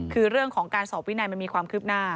คือเรื่องของการสอบวินัยมันมีความคืบหน้า